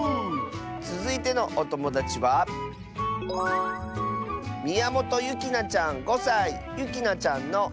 つづいてのおともだちはゆきなちゃんの。